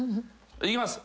「いきます。